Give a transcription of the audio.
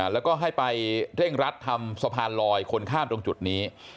แล้วก็ให้ไปเร่งรัดทำสะพานลอยคนข้ามตรงจุดนี้